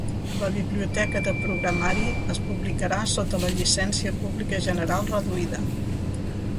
La biblioteca de programari es publicarà sota la Llicència Pública General Reduïda.